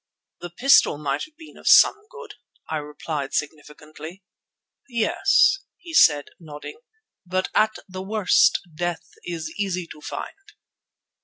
"The pistol might have been of some good," I replied significantly. "Yes," he said, nodding, "but at the worst death is easy to find."